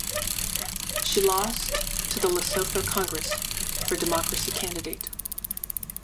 She lost to the Lesotho Congress for Democracy candidate.